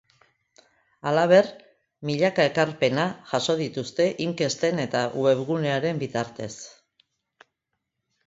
Halaber, milaka ekarpena jaso dituzte inkesten eta webgunearen bitartez.